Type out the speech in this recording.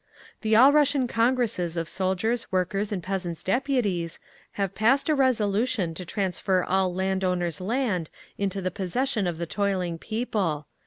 "The All Russian Congresses of Soldiers', Workers', and Peasants' Deputies have passed a resolution to transfer all landowners' land into the possession of the toiling people.